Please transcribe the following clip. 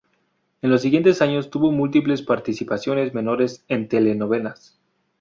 En los siguientes años tuvo múltiples participaciones menores en telenovelas.